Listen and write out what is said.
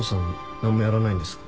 なんもやらないんですか？